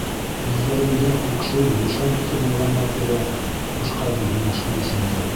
Күҙҙәреңдә күкшел юшан төҫө булғанға күрә ҡушҡайным һиңә шул исемде.